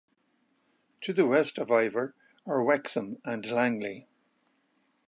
To the west of Iver are Wexham and Langley.